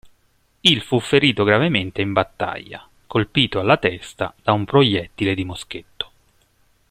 Hill fu ferito gravemente in battaglia, colpito alla testa da un proiettile di moschetto.